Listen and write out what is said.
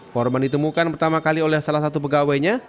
korban ditemukan pertama kali oleh salah satu pegawainya